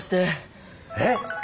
えっ